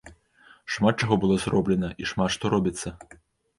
Шмат чаго было зроблена, і шмат што робіцца.